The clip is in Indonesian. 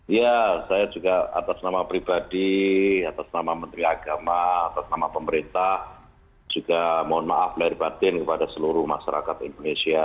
ya saya juga atas nama pribadi atas nama menteri agama atas nama pemerintah juga mohon maaf lahir batin kepada seluruh masyarakat indonesia